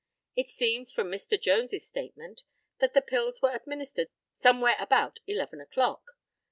It seems, from Mr. Jones's statement, that the pills were administered somewhere about eleven o'clock.